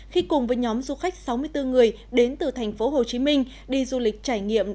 khi cùng với nhóm du khách sáu mươi bốn người đến từ thành phố hồ chí minh đi du lịch trải nghiệm